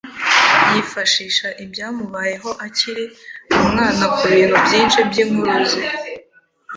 Yifashisha ibyamubayeho akiri umwana kubintu byinshi byinkuru ze.